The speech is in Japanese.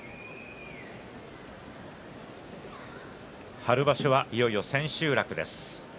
春場所はいよいよ千秋楽です。